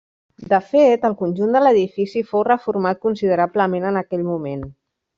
De fet, el conjunt de l'edifici fou reformat considerablement en aquell moment.